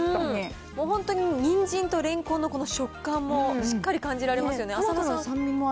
本当ににんじんとれんこんのこの食感もしっかり感じられますよね。